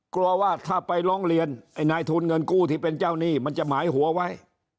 กลัวว่าถ้าไปร้องเรียนไอ้นายทุนเงินกู้ที่เป็นเจ้าหนี้มันจะหมายหัวไว้